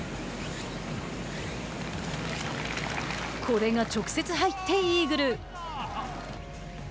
これが直接入ってイーグル。